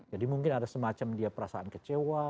jadi mungkin ada semacam dia perasaan kecewa